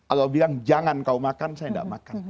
allah bilang jangan kau makan saya tidak makan